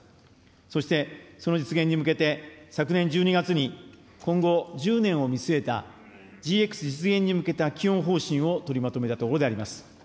そしてその実現に向けて、昨年１２月に、今後１０年を見据えたＧＸ実現に向けた基本方針を取りまとめたところであります。